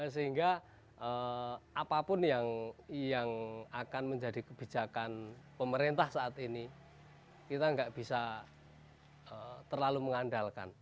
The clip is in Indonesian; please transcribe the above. sehingga apapun yang akan menjadi kebijakan pemerintah saat ini kita nggak bisa terlalu mengandalkan